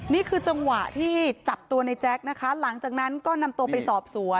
นี่คือจังหวะที่จับตัวในแจ๊คนะคะหลังจากนั้นก็นำตัวไปสอบสวน